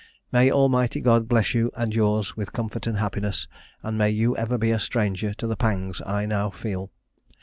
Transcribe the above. May Almighty God bless you and yours with comfort and happiness; and may you ever be a stranger to the pangs I now feel!